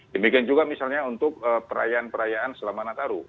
demikian juga misalnya untuk perayaan perayaan selama nataru